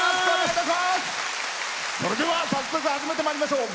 それでは早速、始めてまいりましょう。